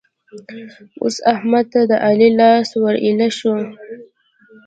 اوس احمد ته د علي لاس ور ايله شو.